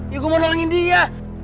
ya gue mau nolongin dia